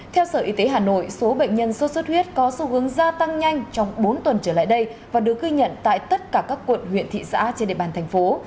theo sở y tế hà nội số bệnh nhân sốt xuất huyết có xu hướng gia tăng nhanh trong bốn tuần trở lại đây và được ghi nhận tại tất cả các quận huyện thị xã trên địa bàn thành phố